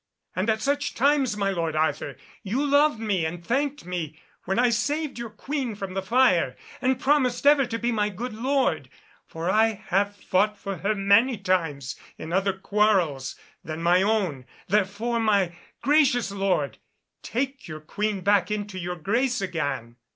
And at such times, my lord Arthur, you loved me and thanked me when I saved your Queen from the fire, and promised ever to be my good lord, for I have fought for her many times in other quarrels than my own. Therefore, my gracious lord, take your Queen back into your grace again."